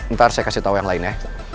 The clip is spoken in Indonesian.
ntar saya kasih tau yang lain ya